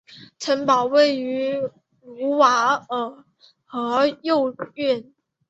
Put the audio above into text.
城堡位于卢瓦尔河右岸。